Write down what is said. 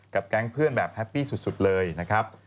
แก๊งเพื่อนแบบแฮปปี้สุดเลยนะครับ